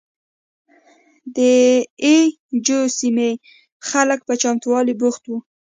د اي جو سیمې خلک په چمتوالي بوخت وو.